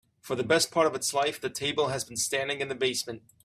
For the best part of its life, the table has been standing in the basement.